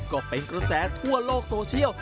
ก็เป็นกระแสทั่วโลกโซเชียล